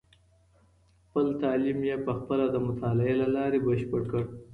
خپل تعلیم یې په خپله د مطالعې له لارې بشپړ کړ.